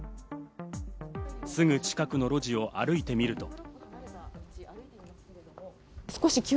すぐ近くの路地を歩いてみると。